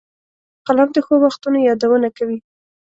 قلم د ښو وختونو یادونه کوي